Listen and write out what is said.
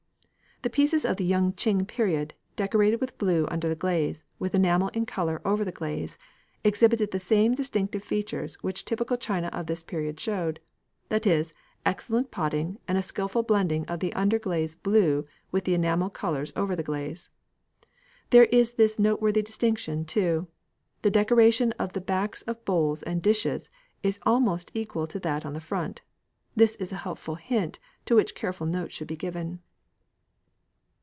The pieces of the Yung ching period, decorated with blue under the glaze with enamel in colour over the glaze, exhibited the same distinctive features which typical china of this period showed that is, excellent potting and a skilful blending of the under glaze blue with the enamel colours over the glaze. There is this noteworthy distinction, too, the decoration on the backs of bowls and dishes is almost equal to that on the front. This is a helpful hint, to which careful note should be given.